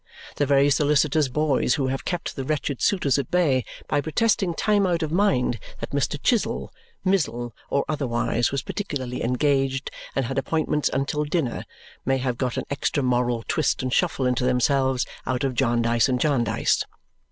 The very solicitors' boys who have kept the wretched suitors at bay, by protesting time out of mind that Mr. Chizzle, Mizzle, or otherwise was particularly engaged and had appointments until dinner, may have got an extra moral twist and shuffle into themselves out of Jarndyce and Jarndyce.